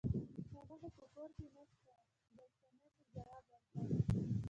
هغه خو په کور کې نشته ګل صمنې ځواب ورکړ.